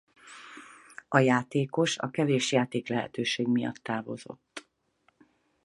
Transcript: A játékos a kevés játéklehetőség miatt távozott.